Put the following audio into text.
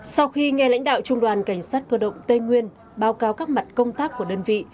sau khi nghe lãnh đạo trung đoàn cảnh sát cơ động tây nguyên báo cáo các mặt công tác của đơn vị